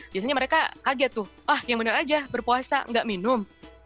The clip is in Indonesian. biasanya mereka kaget tuh ah yang benar aja berpuasa nggak minum